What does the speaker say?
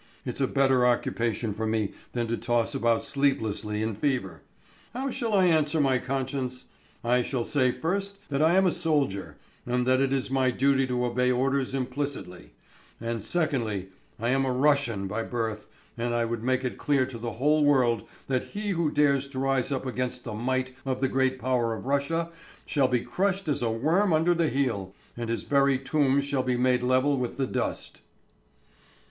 It's a better occupation for me than to toss about sleeplessly in fever. How shall I answer my conscience? I shall say first that I am a soldier, and that it is my duty to obey orders implicitly; and secondly, I am a Russian by birth, and I would make it clear to the whole world that he who dares to rise up against the might of the great power of Russia shall be crushed as a worm under the heel, and his very tomb shall be made level with the dust...."